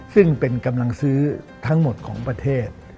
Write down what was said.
ซึ่งเป็นกำลังซื้อทั้งหมดของประเทศ